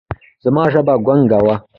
زما ژبه ګونګه وه ـ